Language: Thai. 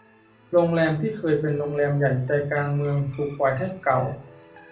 โรงแรมที่เคยเป็นโรงแรมใหญ่กลางเมืองถูกปล่อยให้เก่า